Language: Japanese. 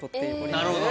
なるほど！